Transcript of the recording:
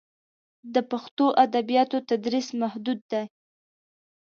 د پښتو ادبیاتو تدریس محدود دی.